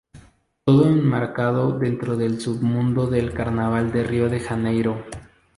Todo enmarcado dentro del submundo del carnaval de Río de Janeiro.